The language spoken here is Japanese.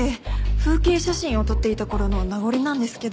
風景写真を撮っていた頃の名残なんですけど。